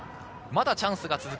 チャンスが続く。